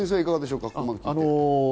いかがでしょう？